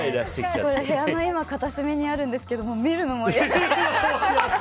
今、部屋の片隅にあるんですけど見るのも嫌です。